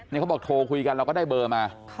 นี่เขาบอกโทรคุยกันเราก็ได้เบอร์มา